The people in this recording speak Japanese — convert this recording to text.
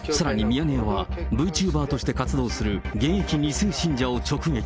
ミヤネ屋は、Ｖチューバーとして活動する現役２世信者を直撃。